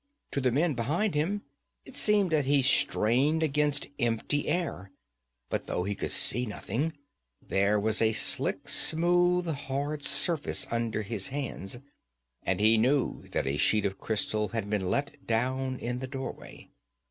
To the men behind him it seemed that he strained against empty air. But though he could see nothing, there was a slick, smooth, hard surface under his hands, and he knew that a sheet of crystal had been let down in the doorway.